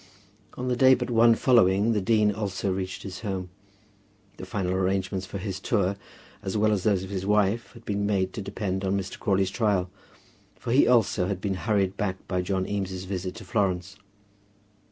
On the day but one following the dean also reached his home. The final arrangements of his tour, as well as those of his wife, had been made to depend on Mr. Crawley's trial; for he also had been hurried back by John Eames's visit to Florence.